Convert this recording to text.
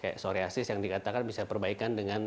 kayak psoriasis yang dikatakan bisa perbaikan dengan